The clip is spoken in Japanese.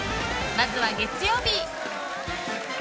まずは、月曜日！